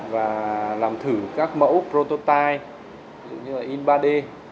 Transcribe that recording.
và làm thử các mẫu prototype dựa như là in ba d